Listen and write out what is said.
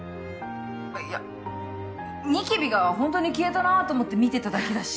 いやっニキビがホントに消えたなと思って見てただけだし。